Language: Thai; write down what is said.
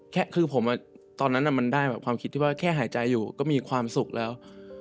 แค่คือผมตอนนั้นมันได้แบบความคิดที่ว่าแค่หายใจอยู่ก็มีความสุขแล้ว